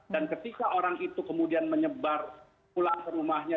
dan ketika orang itu kemudian menyebar pulang ke rumahnya